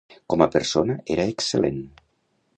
Com a persona era excel·lent.